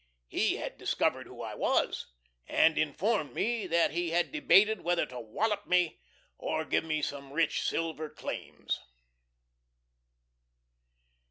He had discovered who I was, and informed me that he had debated whether to wollop me or give me some rich silver claims.